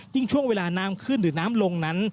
ช่วงเวลาน้ำขึ้นหรือน้ำลงนั้น